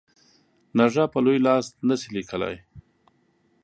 نږه په لوی لاس نه سي لیکلای.